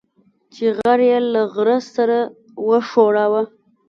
چې غر يې له غره سره وښوراوه.